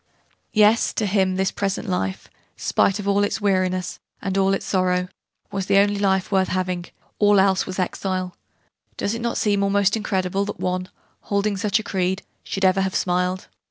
Yes, to him this present life spite of all its weariness and all its sorrow was the only life worth having: all else was 'exile'! Does it not seem almost incredible that one, holding such a creed, should ever have smiled?